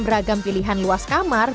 beragam pilihan luas kamar